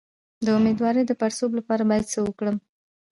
د امیدوارۍ د پړسوب لپاره باید څه وکړم؟